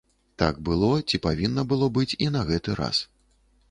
Так было ці павінна было быць і на гэты раз.